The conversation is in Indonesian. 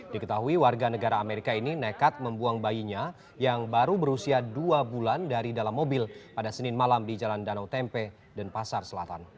diketahui warga negara amerika ini nekat membuang bayinya yang baru berusia dua bulan dari dalam mobil pada senin malam di jalan danau tempe dan pasar selatan